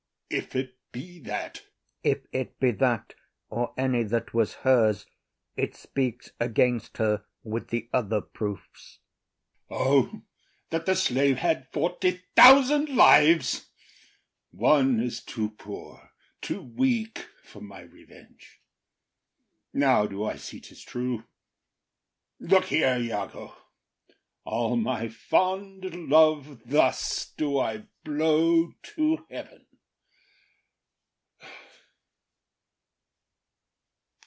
If it be that,— IAGO. If it be that, or any that was hers, It speaks against her with the other proofs. OTHELLO. O, that the slave had forty thousand lives! One is too poor, too weak for my revenge! Now do I see ’tis true. Look here, Iago; All my fond love thus do I blow to heaven.